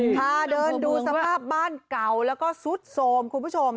พาเดินดูสภาพบ้านเก่าแล้วก็ซุดโทรมคุณผู้ชม